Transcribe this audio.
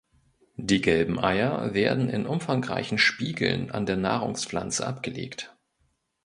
Die gelben Eier werden in umfangreichen Spiegeln an der Nahrungspflanze abgelegt.